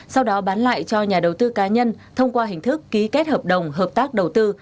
sau đó bán lại cho nhà đầu tư cá nhân thông qua hình thức ký kết hợp đồng hợp tác đầu tư